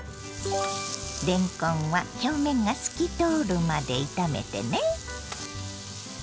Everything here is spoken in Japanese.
れんこんは表面が透き通るまで炒めてね。